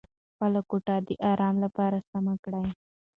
خپله کوټه د ارام لپاره سمه کړه.